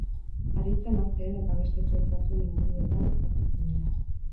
Haritzen, arteen eta beste zuhaitz batzuen inguruetan aurkitzen dira.